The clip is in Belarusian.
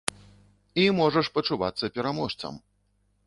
І можаш пачувацца пераможцам.